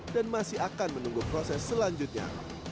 dan masih akan menunggu proses selanjutnya